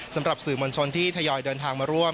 สำหรับสื่อมวลชนที่ทยอยเดินทางมาร่วม